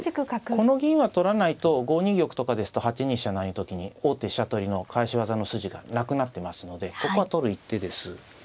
はいこの銀は取らないと５二玉とかですと８二飛車成の時に王手飛車取りの返し技の筋がなくなってますのでここは取る一手です。